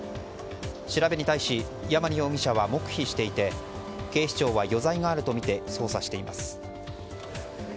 調べに対しヤマニ容疑者は黙秘していて警視庁は余罪があるとみて捜査しています。